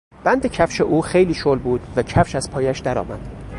بند کفش او خیلی شل بود و کفش از پایش درآمد.